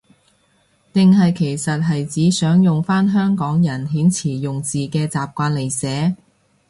定係其實係指想用返香港人遣詞用字嘅習慣嚟寫？